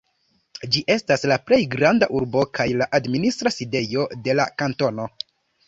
Ĝi estas la plej granda urbo kaj la administra sidejo de la kantono.